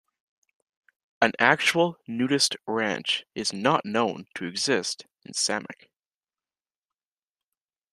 An actual nudist ranch is not known to exist in Samak.